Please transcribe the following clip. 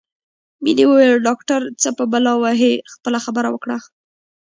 مينې وویل ډاکټر څه په بلا وهې خپله خبره وکړه